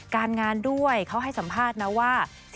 การงานด้วยเขาให้สัมภาษณ์นะว่า